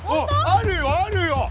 あるよあるよ。